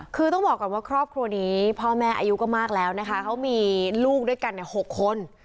คือต้องบอกก่อนว่าครอบครัวนี้พ่อแม่อายุก็มากแล้วนะคะเขามีลูกด้วยกัน๖คน